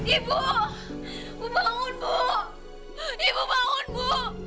ibu ibu bangun bu ibu bangun bu ibu